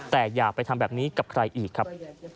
แต่อย่าไปทำแบบนี้กับใครอีกครับ